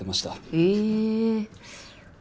へえ。